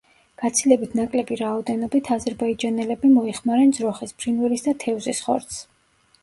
გაცილებით ნაკლები რაოდენობით, აზერბაიჯანელები მოიხმარენ ძროხის, ფრინველის და თევზის ხორცს.